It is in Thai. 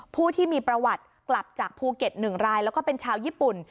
ผู้ที่มีประวัติกลับจากภูเก็ต๑รายแล้วก็เป็นชาวญี่ปุ่น